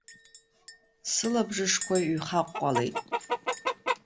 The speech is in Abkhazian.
Сылабжышқәа ҩхаҟәҟәалеит.